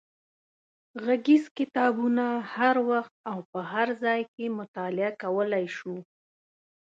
غږیز کتابونه هر وخت او په هر ځای کې مطالعه کولای شو.